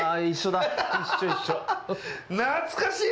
懐かしっ！